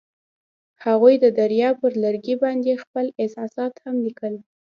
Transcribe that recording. هغوی د دریا پر لرګي باندې خپل احساسات هم لیکل.